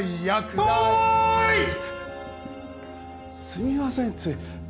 すみませんつい。